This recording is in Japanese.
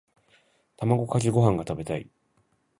卵かけご飯が食べたい。